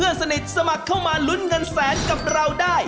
สนิทสมัครเข้ามาลุ้นเงินแสนกับเราได้